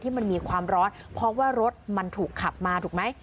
มันมีความร้อนเพราะว่ารถมันถูกขับมาถูกไหม